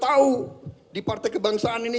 tahu di partai kebangsaan ini